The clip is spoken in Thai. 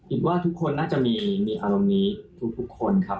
ว่าทุกคนน่าจะมีอารมณ์นี้ทุกคนครับ